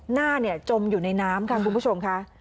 หน้าจมอยู่ในน้ำค่ะคุณผู้ชมค่ะ